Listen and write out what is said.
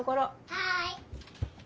はい！